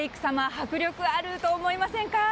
迫力あると思いませんか。